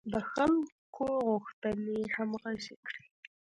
د خلکو غوښتنې همغږې کړي.